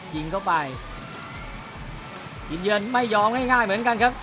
ยิงเข้าไปยินเยือนไม่ยอมง่ายง่ายเหมือนกันครับ